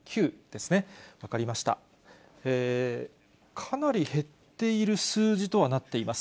かなり減っている数字とはなっています。